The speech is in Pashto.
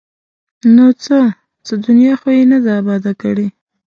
ـ نو څه؟ څه دنیا خو یې نه ده اباده کړې!